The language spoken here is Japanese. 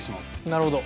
なるほど。